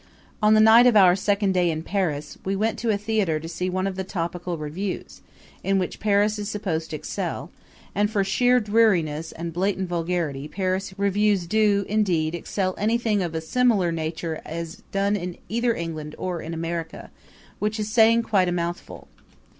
On the night of our second day in Paris we went to a theater to see one of the topical revues, in which Paris is supposed to excel; and for sheer dreariness and blatant vulgarity Paris revues do, indeed, excel anything of a similar nature as done in either England or in America, which is saying quite a mouthful.